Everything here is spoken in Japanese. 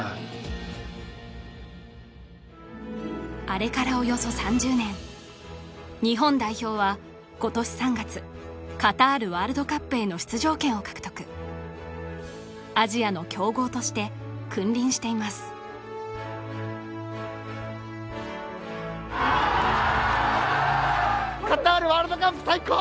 あれからおよそ３０年日本代表は今年３月カタールワールドカップへの出場権を獲得アジアの強豪として君臨していますカタールワールドカップ最高！